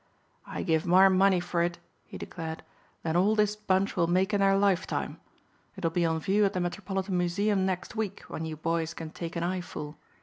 "I give more money for it," he declared, "than all this bunch will make in their lifetime. It'll be on view at the Metropolitan Museum next week when you boys can take an eyefull.